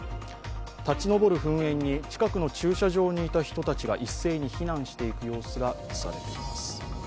立ち上る噴煙に近くの駐車場にいた人たちが一斉に避難していく様子が映されています。